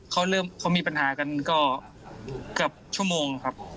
เขามีปัญหากันก็เกือบชั่วโมงครับ